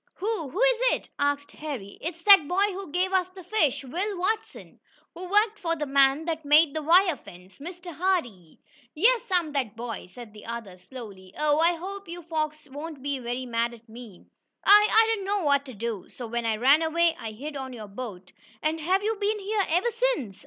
"Who who is it?" asked Harry. "It's that boy who gave us the fish Will Watson, who worked for the man that made the wire fence Mr. Hardee." "Yes, I'm that boy," said the other, slowly. "Oh, I hope your folks won't be very mad at me. I I didn't know what to do, so when I ran away, I hid on your boat." "And have you been here ever since?"